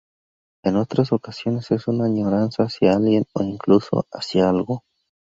En otras ocasiones es una añoranza hacia alguien o incluso hacia algo.